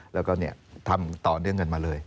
แล้วก็ทำต่อเนื่องกันมาเลย